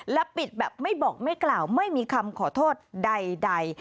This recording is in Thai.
และปิดแบบไม่บอกไม่กล่าวไม่มีคำขอโทษใด